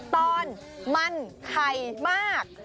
ตอนมันไข่มาก